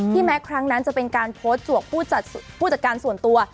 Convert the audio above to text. แม้ครั้งนั้นจะเป็นการโพสต์จวกผู้จัดการส่วนตัว